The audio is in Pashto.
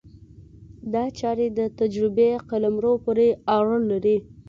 دا چارې د تجربې قلمرو پورې اړه لري.